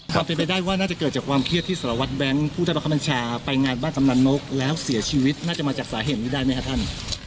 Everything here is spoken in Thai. ความเป็นไปได้ว่าน่าจะเกิดจากความเครียดที่สารวัตรแบงค์ผู้ใต้บังคับบัญชาไปงานบ้านกำนันนกแล้วเสียชีวิตน่าจะมาจากสาเหตุนี้ได้ไหมครับท่าน